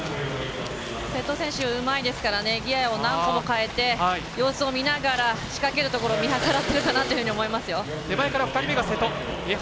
瀬戸選手、うまいですからギアを何個もかえて様子を見ながら仕掛けるところを見計らってるかなと思います。